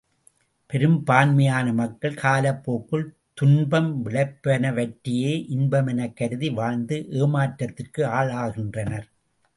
பெரும்பான்மையான மக்கள் காலப்போக்கில் துன்பம் விளைப்பனவற்றையே இன்பமெனக் கருதி வாழ்ந்து ஏமாற்றத்திற்கு ஆளாகின்றனர்.